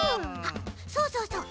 そうそうそう！